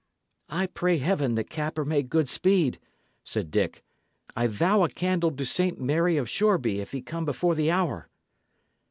"I pray Heaven that Capper make good speed!" said Dick. "I vow a candle to St. Mary of Shoreby if he come before the hour!"